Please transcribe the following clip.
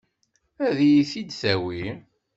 Ad iyi-t-id-tawi?